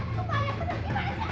kumpar ya kumpar